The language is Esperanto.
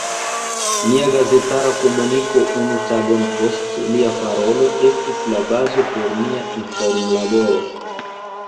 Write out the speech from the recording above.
Nia gazetara komuniko unu tagon post lia parolo estas la bazo por nia informlaboro.